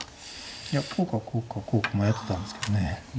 いやこうかこうかこうか迷ってたんですけどね。